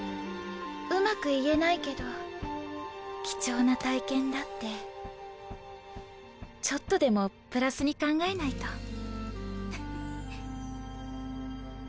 うまく言えないけど貴重な体験だってちょっとでもプラスに考えないと。